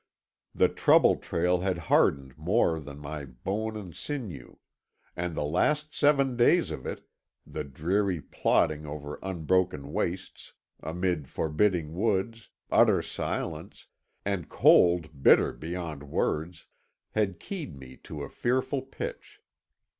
The Trouble Trail had hardened more than my bone and sinew; and the last seven days of it, the dreary plodding over unbroken wastes, amid forbidding woods, utter silence, and cold bitter beyond Words, had keyed me to a fearful pitch.